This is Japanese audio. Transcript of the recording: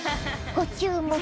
ご注目！